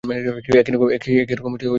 একই রকম গাড়ি ওদের।